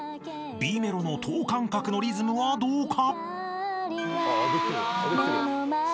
［Ｂメロの等間隔のリズムはどうか？］